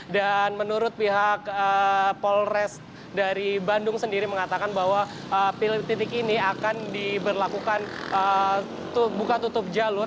dan menurut pihak polres dari bandung sendiri mengatakan bahwa titik ini akan diberlakukan buka tutup jalur